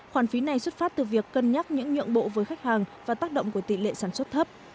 khoản phí này xuất phát từ việc cân nhắc những nhượng bộ với khách hàng và tác động của tỷ lệ sản xuất thấp